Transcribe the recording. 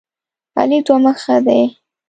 علي دوه مخی دی.